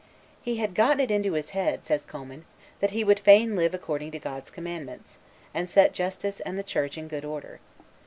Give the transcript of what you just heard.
"He had gotten it into his head," says Commynes, "that he would fain live according to God's commandments, and set justice and the Church in good order.